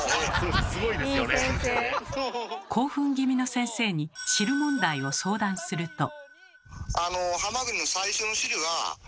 興奮気味の先生に汁問題を相談すると。